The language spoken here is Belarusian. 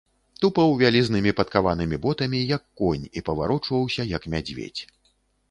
Тупаў вялізнымі падкаванымі ботамі, як конь, і паварочваўся, як мядзведзь.